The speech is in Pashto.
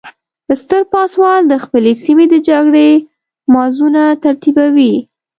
ستر پاسوال د خپلې سیمې د جګړې محاذونه ترتیبوي.